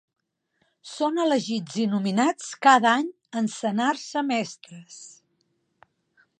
Són elegits i nominats cada any en senars semestres.